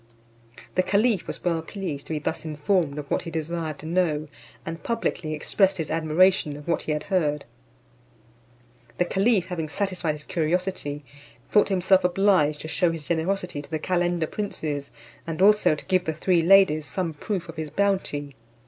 The caliph was well pleased to be thus informed of what he desired to know; and publicly expressed his admiration of what he had heard. The caliph having satisfied his curiosity, thought himself obliged to shew his generosity to the calender princes, and also to give the three ladies some proof of his bounty.